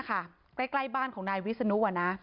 ใกล้บ้านของนายวิศนุ